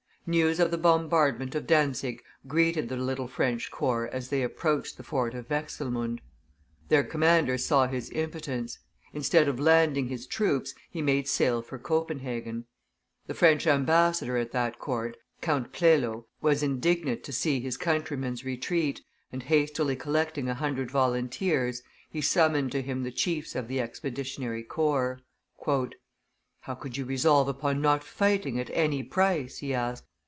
News of the bombardment of Dantzic greeted the little French corps as they approached the fort of Wechselmunde. Their commander saw his impotence; instead of landing his troops, he made sail for Copenhagen. The French ambassador at that court, Count Plelo, was indignant to see his countrymen's retreat, and, hastily collecting a hundred volunteers, he summoned to him the chiefs of the expeditionary corps. "How could you resolve upon not fighting, at any price?" he asked.